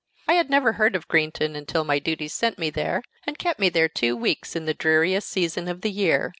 I had never heard of Greenton until my duties sent me there, and kept me there two weeks in the dreariest season of the year.